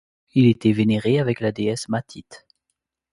Il était vénéré avec la déesse Matit.